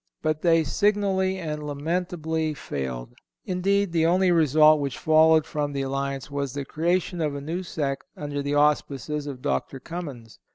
But they signally and lamentably failed. Indeed, the only result which followed from the alliance was the creation of a new sect under the auspices of Dr. Cummins.